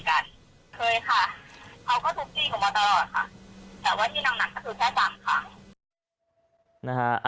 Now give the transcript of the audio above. เคยค่ะเขาก็ทุกที่กลับมาตลอดค่ะแต่ว่าที่นั่งหนังก็คือแค่จังค่ะ